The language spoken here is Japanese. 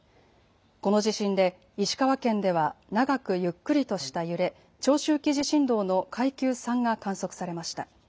この地震で石川県では長くゆっくりとした揺れ、長周期地震動の階級３が観測されました。